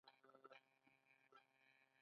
آیا شین سپین او سور نه دي؟